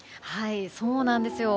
そうなんですよ。